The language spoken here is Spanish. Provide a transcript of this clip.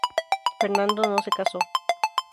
Fernando no se casó.